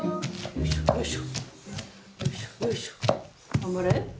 頑張れ。